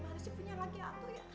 bagaimana sih punya rakyat gua ya